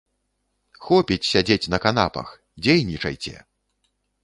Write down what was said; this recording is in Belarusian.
Хопіць сядзець на канапах, дзейнічайце!